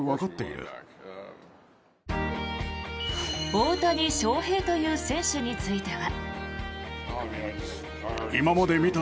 大谷翔平という選手については。